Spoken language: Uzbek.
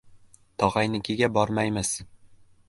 — Tog‘angnikiga bormaymiz.